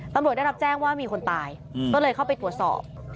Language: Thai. ตำรวจได้รับแจ้งว่ามีคนตายก็เลยเข้าไปตรวจสอบ